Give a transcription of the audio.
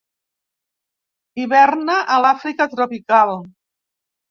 Hiverna a l'Àfrica tropical.